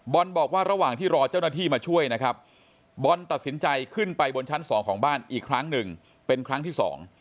บอกว่าระหว่างที่รอเจ้าหน้าที่มาช่วยนะครับบอลตัดสินใจขึ้นไปบนชั้นสองของบ้านอีกครั้งหนึ่งเป็นครั้งที่สอง